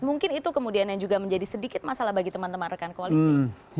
mungkin itu kemudian yang juga menjadi sedikit masalah bagi teman teman rekan koalisi